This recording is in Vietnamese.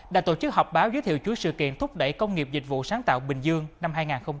đã tổ chức họp báo giới thiệu chuỗi sự kiện thúc đẩy công nghiệp dịch vụ sáng tạo bình dương năm hai nghìn hai mươi